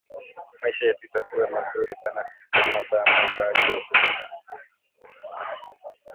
Maisha yetu itakuya muzuri sana kama ba mama bana jua ku rima